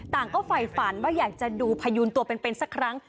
ต่างก็ฝ่ายฝันว่าอยากจะดูพยูนตัวเป็นสักครั้ง